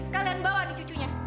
sekalian bawa nih cucunya